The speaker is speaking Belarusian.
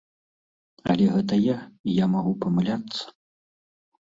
Але гэта я, і я магу памыляцца.